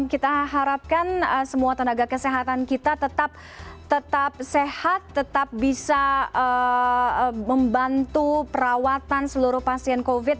kita harapkan semua tenaga kesehatan kita tetap sehat tetap bisa membantu perawatan seluruh pasien covid